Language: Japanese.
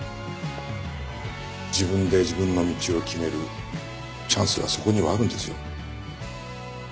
自分で自分の道を決めるチャンスがそこにはあるんですよ。